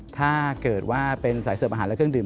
ถ้าเกิดว่าเป็นสายเสิร์ฟอาหารและเครื่องดื่ม